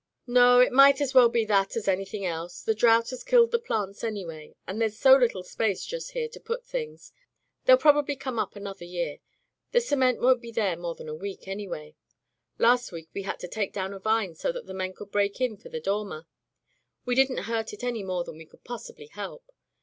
"No. It might as well be that as anything else. The drouth had killed the plants, anyway, and there's so little space just here to put things. They'll probably come up another year. The cement won't be there more than a week, anyway. Last week we had to take down a vine so that the men could break in for the dormer. We didn't hurt it any more than we could possibly help.